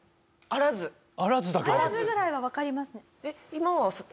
「あらず」ぐらいはわかりますね。